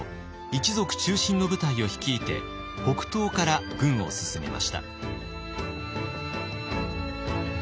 一族中心の部隊を率いて北東から軍を進めました。